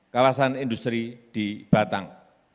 kawasan industri di batang